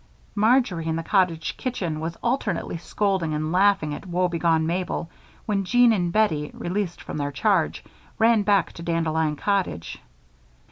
Marjory, in the cottage kitchen, was alternately scolding and laughing at woebegone Mabel when Jean and Bettie, released from their charge, ran back to Dandelion Cottage.